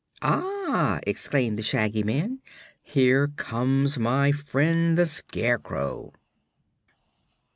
"Ah!" exclaimed the Shaggy Man; "here comes my friend the Scarecrow."